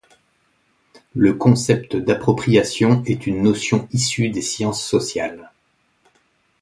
Le concept d'appropriation est une notion issue des sciences sociales.